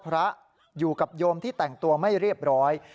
พระอยู่กับโยมที่แต่งตัวไม่เรียบร้อย